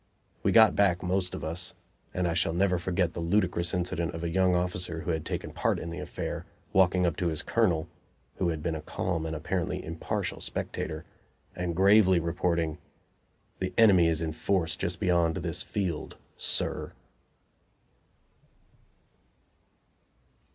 We got back, most of us, and I shall never forget the ludicrous incident of a young officer who had taken part in the affair walking up to his colonel, who had been a calm and apparently impartial spectator, and gravely reporting: "The enemy is in force just beyond this field, sir."